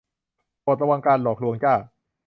โปรดระวังการหลอกลวงจ้า